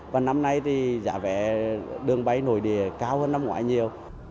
và năm nay thì giả vẽ đường bay nội địa cao hơn năm ngoái nhiều